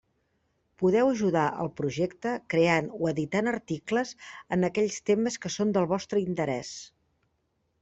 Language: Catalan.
Podeu ajudar al projecte creant o editant articles en aquells temes que són del vostre interès.